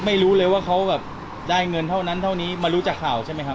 ไม่รู้เลยว่าเขาแบบได้เงินเท่านั้นเท่านี้มารู้จากข่าวใช่ไหมครับ